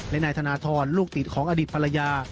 และนายธนทรลูกติดของอดีตภรรยา